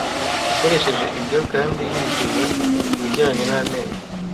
yakoresheje ibyo (kandi yishyuza) kubijyanye n'amenyo